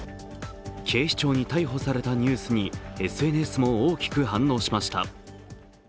警視庁に逮捕されたニュースにＳＮＳも大きく反応しました。